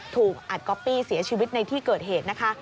ถูกอัดก๊อปปี้เสียชีวิตในที่เกิดเหตุนะคะ